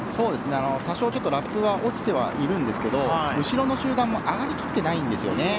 多少ラップが落ちてはいるんですが後ろの集団が上がりきっていないんですよね。